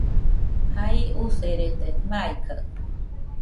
Jai userede, maikaɨ